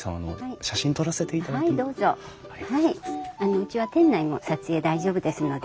うちは店内も撮影大丈夫ですので。